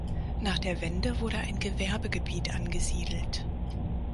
Nach der Wende wurde ein Gewerbegebiet angesiedelt.